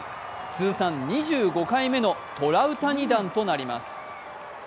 通算２５回目のトラウタニ弾となります。